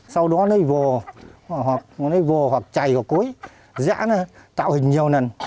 sau đó nó vô hoặc chày vào cuối dã nó tạo hình nhiều lần